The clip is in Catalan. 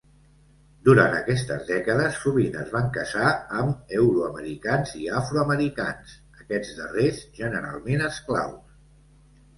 Durant aquestes dècades sovint es van casar amb euroamericans i afroamericans, aquests darrers generalment esclaus.